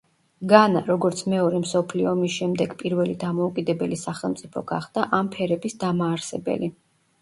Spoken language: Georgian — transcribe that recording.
განა, როგორც მეორე მსოფლიო ომის შემდეგ პირველი დამოუკიდებელი სახელმწიფო გახდა ამ ფერების დამაარსებელი.